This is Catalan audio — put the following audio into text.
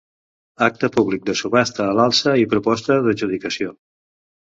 Acte públic de subhasta a l'alça i proposta d'adjudicació.